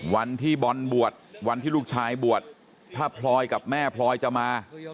วันที่บอลบวชวันที่ลูกชายบวชถ้าพลอยกับแม่พลอยจะมา